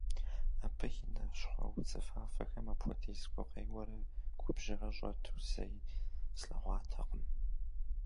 Абы и нэ щхъуэ-удзыфафэхэм апхуэдиз гукъеуэрэ губжьрэ щӀэту зэи слъэгъуатэкъым.